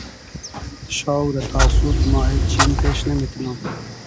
شاو رہ تا سوب ما اېد چیم پېش نئمیتنوم